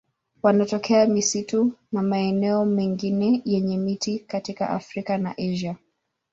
Wanatokea misitu na maeneo mengine yenye miti katika Afrika na Asia.